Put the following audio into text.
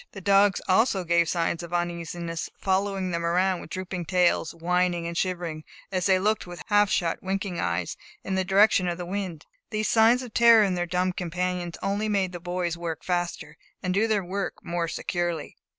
The dogs also gave signs of uneasiness, following them around with drooping tails, whining and shivering, as they looked with half shut, winking eyes, in the direction of the wind. These signs of terror in their dumb companions only made the boys work faster, and do their work more securely.